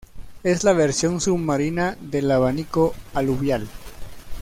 Es la versión submarina del abanico aluvial.